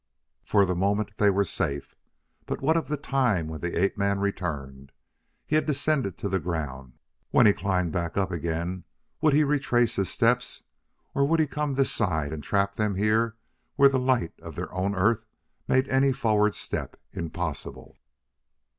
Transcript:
For the moment they were safe, but what of the time when the ape man returned? He had descended to the ground; when he climbed back again would he retrace his steps? Or would he come this side and trap them here where the light of their own Earth made any forward step impossible?